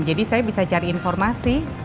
jadi saya bisa cari informasi